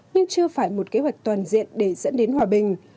nhưng chưa phải một kế hoạch toàn diện để dẫn đến hòa bình